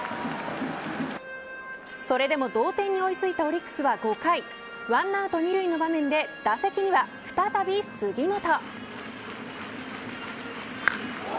それでも同点に追い付いたオリックスは５回１アウト２塁の場面で打席には再び杉本。